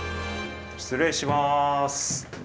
失礼します！